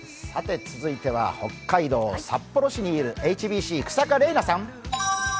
続いては北海道札幌市にいる、ＨＢＣ、日下さん。